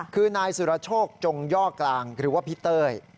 คือนายสุรโชคจงย่อกลางหรือว่าพี่เต้ย